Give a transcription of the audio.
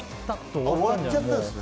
終わっちゃったんですね。